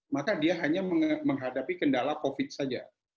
maka dia hanya menghadapi kendala covid saja